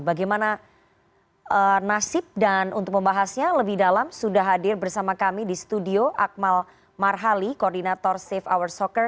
bagaimana nasib dan untuk membahasnya lebih dalam sudah hadir bersama kami di studio akmal marhali koordinator safe hour soccer